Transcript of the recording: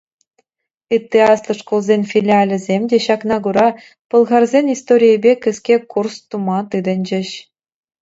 Ытти аслӑ шкулсен филиалӗсем те, ҫакна кура, пӑлхарсен историйӗпе кӗске курс тума тытӑнчӗҫ.